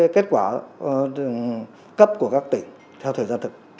kết quả cấp của các tỉnh theo thời gian thực